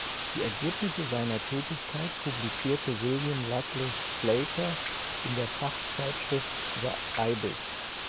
Die Ergebnisse seiner Tätigkeit publizierte William Lutley Sclater in der Fachzeitschrift The Ibis.